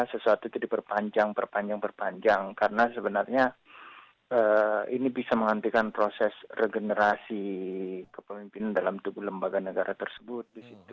sesuatu itu diperpanjang perpanjang perpanjang karena sebenarnya ini bisa menghentikan proses regenerasi kepemimpinan dalam tubuh lembaga negara tersebut